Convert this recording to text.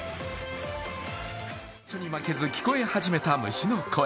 残暑に負けず聞こえ始めた虫の声。